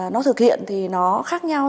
nó thực hiện thì nó khác nhau